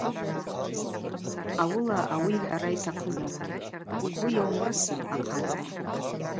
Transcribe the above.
Ауыла ауи йхӏвара йтахъызарын: Угвы йауымрысын, ахъацӏа.